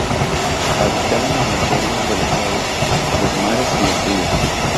Habitaban en las orillas de los lagos, los mares y los ríos.